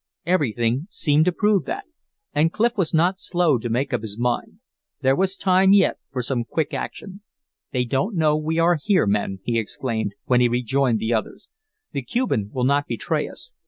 Everything seemed to prove that, and Clif was not slow to make up his mind. There was time yet for some quick action. "They don't know we are here, men," he exclaimed, when he rejoined the others. "The Cuban will not betray us.